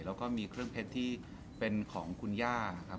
แล้วก็มีเครื่องเพชรที่เป็นของคุณย่านะครับ